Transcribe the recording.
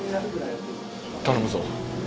頼むぞ。